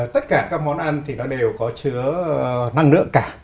tất cả các món ăn thì nó đều có chứa năng lượng cả